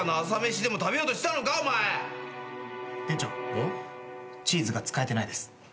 店長チーズが使えてないです。